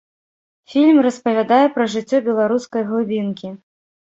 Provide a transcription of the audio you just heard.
Фільм распавядае пра жыццё беларускай глыбінкі.